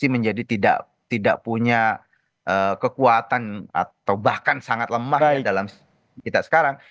menjadi tidak punya kekuatan atau bahkan sangat lemah dalam kita sekarang